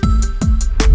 gak ada yang nungguin